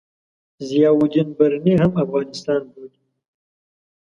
ضیاألدین برني هم افغانستان بولي.